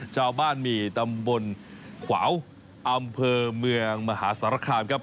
ชาวบ้านหมี่ตำบลขวาวอำเภอเมืองมหาสารคามครับ